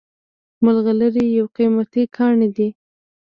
ملغلرې یو قیمتي کاڼی دی